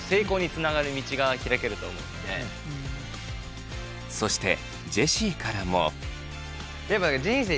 そしてジェシーからも。